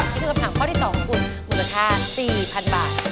นี่คือคำถามข้อที่๒ของคุณมูลค่า๔๐๐๐บาท